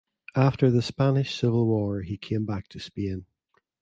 After the Spanish Civil War he came back to Spain.